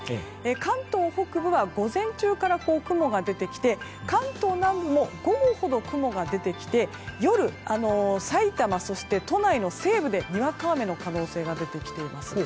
関東北部は午前中から雲が出てきて関東南部も午後ほど雲が出てきて夜、さいたまそして都内の西部でにわか雨の可能性が出てきています。